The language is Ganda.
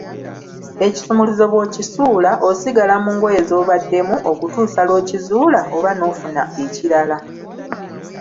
Ekisumuluzo bw'okisuula, osigala mu ngoye z'obaddemu, okutuusa lw'okizuula, oba n'ofuna ekirala.